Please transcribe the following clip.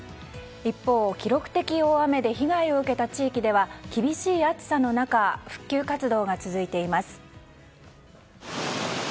一方、記録的大雨で被害を受けた地域では厳しい暑さの中復旧活動が続いています。